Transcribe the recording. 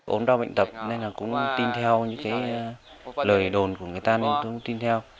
ổn đau bệnh tập nên là cũng tin theo những lời đồn của người ta nên tôi cũng tin theo